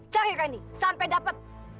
cari randy sampai dapat